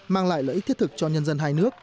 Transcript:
mang lại lợi ích thiết thực cho nhân dân hai nước